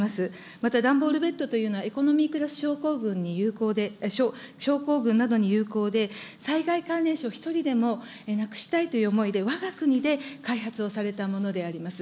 また段ボールベッドというのは、エコノミークラス症候群などに有効で、災害関連死を一人でもなくしたいという思いで、わが国で開発をされたものであります。